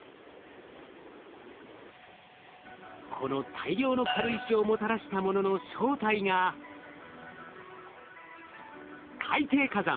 この大量の軽石をもたらしたものの正体が海底火山